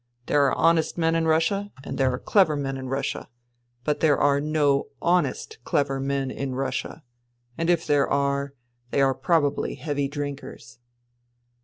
There are honest men in Russia, and there are clever men in Russia ; but there are no honest clever men in Russia. And if there are, they are probably heavy drinkers."